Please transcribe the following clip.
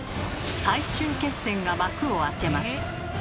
最終決戦が幕を開けます！